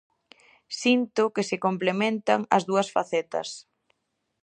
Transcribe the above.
Sinto que se complementan as dúas facetas.